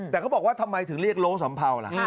แต่เขาบอกว่าทำไมถึงเรียกโล้สัมเภาล่ะ